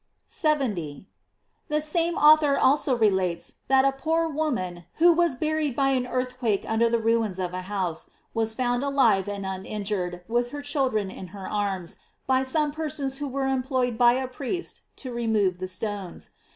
70. — The same author also relates that a poor woman, who was buried by an earthquake under the ruins of a house, was found alive and unin jured, with her children in her arms, by some persons who were employed by a priest to remove the stones.